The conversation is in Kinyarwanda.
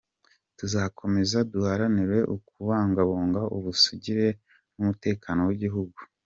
Tuzakomeza duharanire kubungabunga ubusugire n’umutekano w’igihugu”